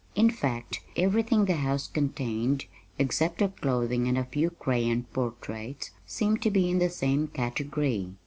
In fact, everything the house contained, except their clothing and a few crayon portraits, seemed to be in the same category.